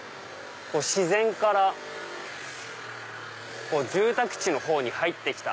自然から住宅地のほうに入って来た。